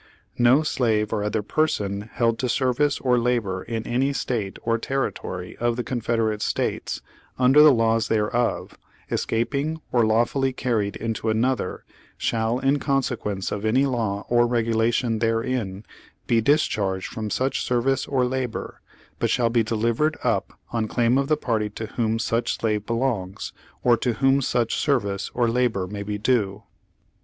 "No slave or other person held to service or labor in any State or territory of the Confederate States, under the laws thereof, escaping or lawfully carried into another, shall, in consequence of any law or regulation therein, be dis charged from such service or labor, but shall be delivered up on claim of the party to whom such slave belongs, or to whom such service or labor may be due."